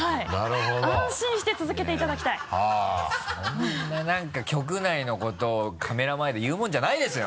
そんな何か局内のことをカメラ前で言うもんじゃないですよ！